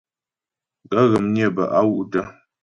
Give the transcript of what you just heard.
Gaə̂ ghə̀ mnyə́ bə a wú’ tə'.